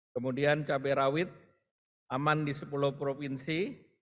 kemudian cabai rawit aman di sepuluh provinsi